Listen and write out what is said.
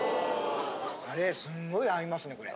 カレーすんごい合いますねこれ。